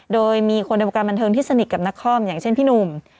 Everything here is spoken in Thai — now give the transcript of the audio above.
โดยมีคนในวงการบันเทิงที่สนิทกับนครอย่างเช่นพี่หนุ่ม